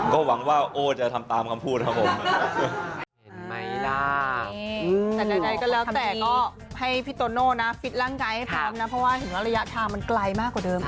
ก็หวังว่าโอ้จะทำตามคำพูดครับผม